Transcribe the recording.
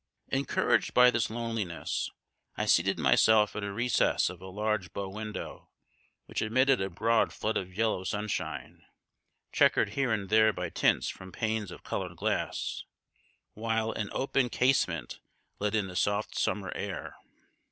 Encouraged by this loneliness, I seated myself in a recess of a large bow window, which admitted a broad flood of yellow sunshine, checkered here and there by tints from panes of colored glass, while an open casement let in the soft summer air.